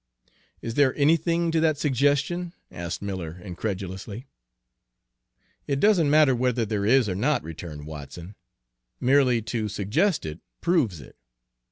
"Is there anything to that suggestion?" asked Miller incredulously. "It doesn't matter whether there is or not," returned Watson. "Merely to suggest it proves it.